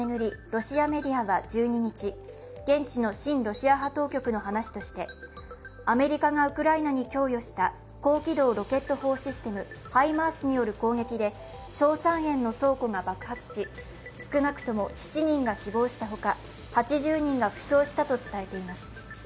ロシアメディアは１２日、現地の親ロシア派当局の話として、アメリカがウクライナに供与した高機動ロケット砲システム、ハイマースによる攻撃で硝酸塩の倉庫が爆発し少なくとも７人が死亡したほか、８０人が負傷したと伝えています。